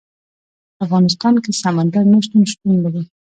په افغانستان کې سمندر نه شتون شتون لري.